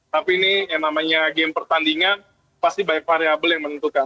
tapi ini yang namanya game pertandingan pasti banyak variable yang menentukan